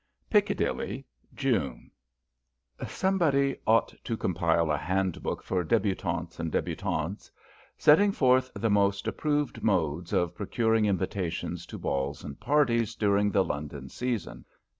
PICCADILLY, June. Somebody ought to compile a handbook for débutants and débutantes, setting forth the most approved modes of procuring invitations to balls and parties during the London season.